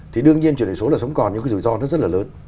thì đương nhiên truyền đổi số là sống còn nhưng cái rủi ro nó rất là lớn